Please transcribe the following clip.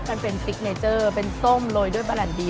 มันเป็นซิกเนเจอร์เป็นส้มโรยด้วยบาแลนดี